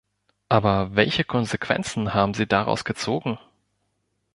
Aber welche Konsequenzen haben Sie daraus gezogen?